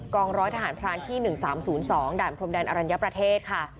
องร้อยทหารพรานที่๑๓๐๒ด่านพรมแดนอรัญญประเทศค่ะ